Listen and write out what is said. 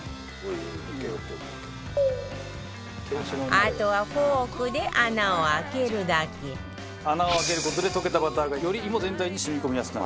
あとはフォークで穴を開けるだけ穴を開ける事で溶けたバターがより芋全体に染み込みやすくなる。